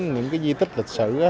những cái duy tích lịch sử á